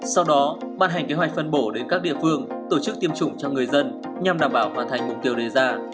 sau đó ban hành kế hoạch phân bổ đến các địa phương tổ chức tiêm chủng cho người dân nhằm đảm bảo hoàn thành mục tiêu đề ra